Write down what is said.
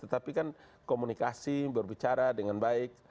tetapi kan komunikasi berbicara dengan baik